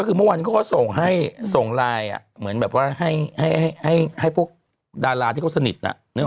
คือเมื่อวานเค้าก็ส่งไลน์ให้พวกดาราที่เค้าสนิท